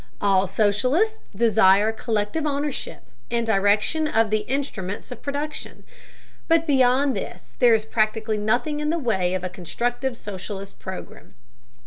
All socialists desire collective ownership and direction of the instruments of production, but beyond this there is practically nothing in the way of a constructive socialist program.